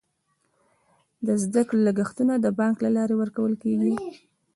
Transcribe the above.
د زده کړې لګښتونه د بانک له لارې ورکول کیږي.